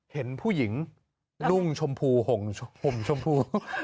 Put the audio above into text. เห็นผู้หญิงนุ่งชมพูห่มชมพู